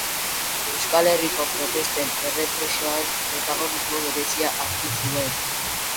Euskal Herriko protesten errepresioan, protagonismo berezia hartu zuen.